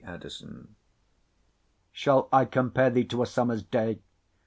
XVIII Shall I compare thee to a summer's day?